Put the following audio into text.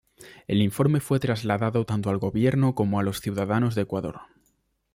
El informe fue trasladado tanto al gobierno como a los ciudadanos de Ecuador.